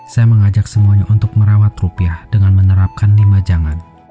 saya mengajak semuanya untuk merawat rupiah dengan menerapkan lima jangan